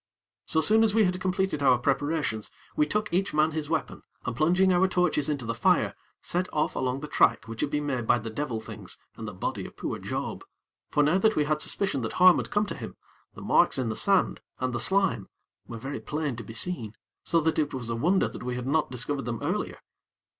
So soon as we had completed our preparations, we took each man his weapon and, plunging our torches into the fires, set off along the track which had been made by the devil things and the body of poor Job; for now that we had suspicion that harm had come to him, the marks in the sand, and the slime, were very plain to be seen, so that it was a wonder that we had not discovered them earlier.